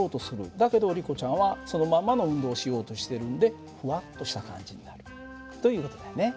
だけどリコちゃんはそのまんまの運動をしようとしてるんでふわっとした感じになるという事だよね。